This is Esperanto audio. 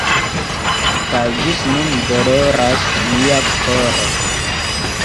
Kaj ĝis nun doloras mia koro!